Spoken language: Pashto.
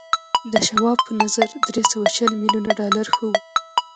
د شواب په نظر درې سوه شل ميليونه ډالر ښه و